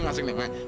luar ya luar ya